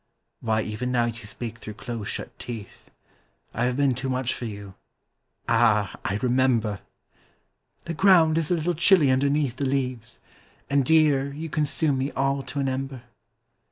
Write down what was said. Why even now you speak through close shut teeth. I have been too much for you Ah, I remember! The ground is a little chilly underneath The leaves and, dear, you consume me all to an ember.